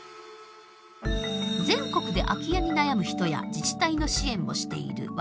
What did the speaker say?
全国で空き家に悩む人や自治体の支援をしている和田貴充さん。